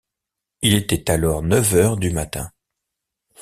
Il était alors neuf heures du matin.